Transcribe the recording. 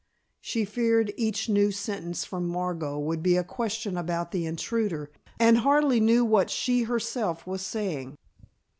She feared each new sentence from Margot would be a question about the intruder, and hardly knew what she herself was saying.